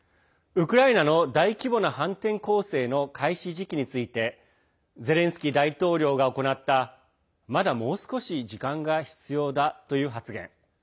ウクライナの大規模な反転攻勢の開始時期についてゼレンスキー大統領が行ったまだ、もう少し時間が必要だという発言。